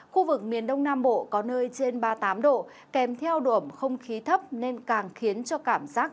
khu vực miền đông nam bộ có nơi trên ba mươi tám độ kèm theo đuổm không khí thấp nên càng khiến cho cảm giác